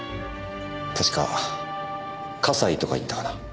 確か笠井とかいったかな。